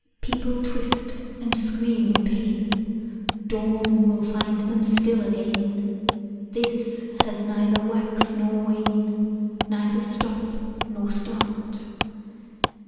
People twist and scream in pain, Dawn will find them still again; This has neither wax nor wane, Neither stop nor start.